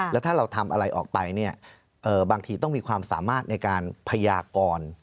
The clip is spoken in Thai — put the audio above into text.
แล้วถ้าเราทำอะไรออกไปเนี่ยบางทีต้องมีความสามารถในการพยากร